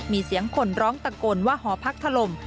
มีเสียงคนร้องตะโกนว่าหอพักถล่ม